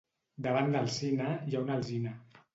Davant del cine hi ha l'alzina.